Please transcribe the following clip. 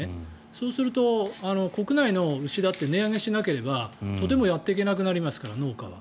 そうすると、国内の牛だって値上げしなければとてもやっていけなくなりますから農家は。